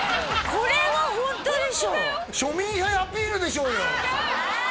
これはホントでしょ庶民派アピールでしょうよあっ